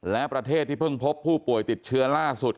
และประเทศที่เพิ่งพบผู้ป่วยติดเชื้อล่าสุด